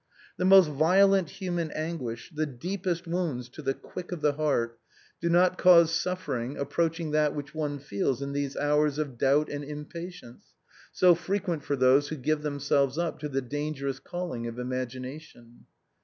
The most violent human anguish, the deepest wounds to the quick of the heart, do not cause suffering approaching that which one feels in these hours of doubt and impatience, so frequent for those who give themselves up to the danger ous calling of imagination.